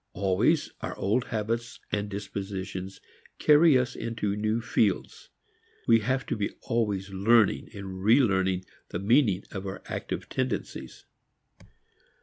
Always our old habits and dispositions carry us into new fields. We have to be always learning and relearning the meaning of our active tendencies.